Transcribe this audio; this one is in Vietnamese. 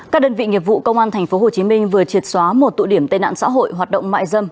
các đơn vị nghiệp vụ công an tp hcm vừa triệt xóa một tụ điểm tên nạn xã hội hoạt động mại dâm